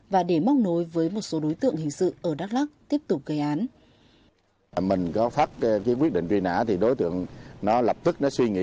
và để móc nối với một số đối tượng hình sự ở đắk lắc tiếp tục gây án